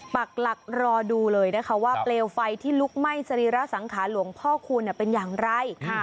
ปักหลักรอดูเลยนะคะว่าเปลวไฟที่ลุกไหม้สรีระสังขารหลวงพ่อคูณเป็นอย่างไร